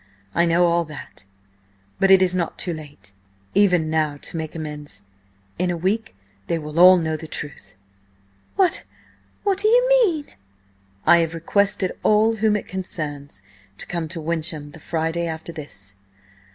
I know all that, but it is not too late even now to make amends. In a week they will all know the truth." "What–what do you mean?" "I have requested all whom it concerns to come to Wyncham the Friday after this."